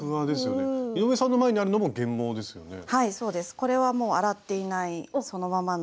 これはもう洗っていないそのままの。